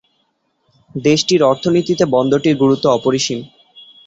দেশটির অর্থনীতিতে বন্দরটির গুরুত্ব অপরিসীম।